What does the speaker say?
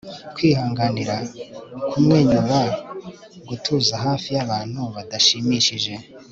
Kwihanganira kumwenyura gutuza hafi yabantu badashimishije